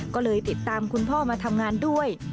ก็เลยติดตามคุณพ่อมาทำงานด้วย